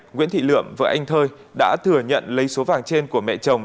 nguyễn thị liệm và anh thơi đã thừa nhận lấy số vàng trên của mẹ chồng